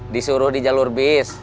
disuruh di jalur bis